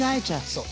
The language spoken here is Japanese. そう。